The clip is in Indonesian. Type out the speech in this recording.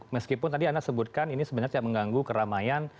meskipun tadi anda sebutkan ini sebenarnya tidak mengganggu keramaian